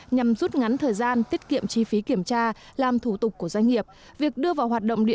nhằm rút ngắn thời gian tiết kiệm chi phí